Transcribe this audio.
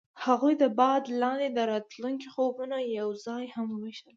هغوی د باد لاندې د راتلونکي خوبونه یوځای هم وویشل.